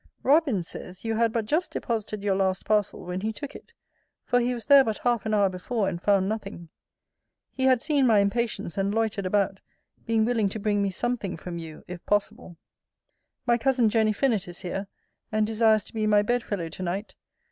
Robin says, you had but just deposited your last parcel when he took it: for he was there but half an hour before, and found nothing. He had seen my impatience, and loitered about, being willing to bring me something from you, if possible. My cousin Jenny Fynnett is here, and desires to be my bedfellow to night.